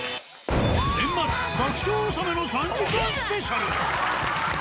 年末爆笑納めの３時間スペシャル。